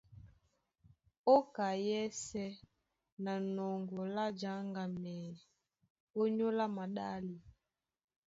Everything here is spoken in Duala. Ó ka yɛ́sɛ̄ na nɔŋgɔ lá jáŋgamɛyɛ ónyólá maɗále,